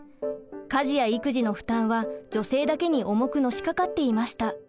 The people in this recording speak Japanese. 家事や育児の負担は女性だけに重くのしかかっていました。